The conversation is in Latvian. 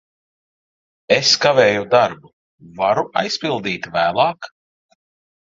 Es kavēju darbu. Varu aizpildīt vēlāk?